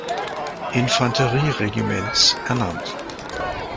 Infanterieregiments ernannt.